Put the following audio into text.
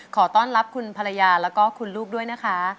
ขอต้อนรับคุณภรรยาแล้วก็คุณลูกด้วยนะคะ